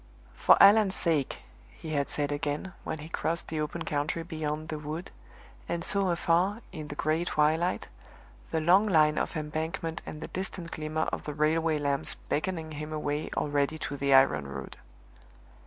"For Allan's sake!" he had said again, when he crossed the open country beyond the wood, and saw afar, in the gray twilight, the long line of embankment and the distant glimmer of the railway lamps beckoning him away already to the iron road.